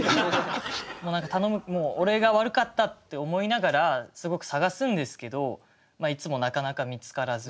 もう何か頼む俺が悪かったって思いながらすごく探すんですけどいつもなかなか見つからず。